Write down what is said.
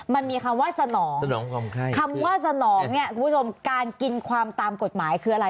มันมีคำว่าสนองสนองความใครคำว่าสนองเนี่ยคุณผู้ชมการกินความตามกฎหมายคืออะไร